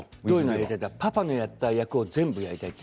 パパのやった役を全部やりたいと。